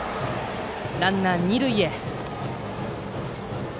ランナー、二塁へ。